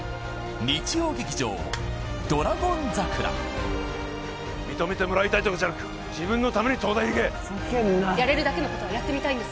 日曜劇場「ドラゴン桜」認めてもらいたいとかじゃなく自分のために東大にいけふざけんなやれるだけのことはやってみたいんです